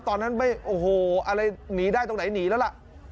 ตอนนั้นไม่โอ้โหอะไรหนีได้ตรงไหนหนีแล้วล่ะ